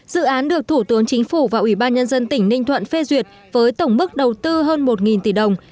dự án được thủ tướng chính phủ và ủy ban nhân dân tỉnh ninh thuận phê duyệt với tổng mức đầu tư hơn một tỷ đồng